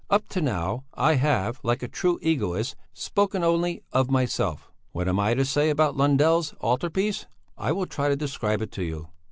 Up to now I have, like a true egoist, spoken only of myself. What am I to say about Lundell's altar piece? I will try to describe it to you.